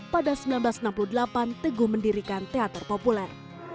pada seribu sembilan ratus enam puluh delapan teguh mendirikan teater populer